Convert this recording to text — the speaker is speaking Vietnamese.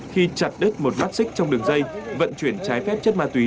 khi chặt đứt một mắt xích trong đường dây vận chuyển trái phép chất ma túy